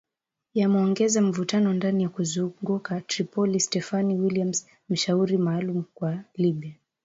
yameongeza mvutano ndani na kuzunguka Tripoli Stephanie Williams mshauri maalum kwa Libya